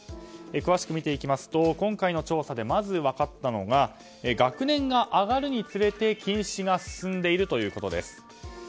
詳しく見ていきますと今回の調査でまず分かったのが学年が上がるにつれて近視が進んでいるということです。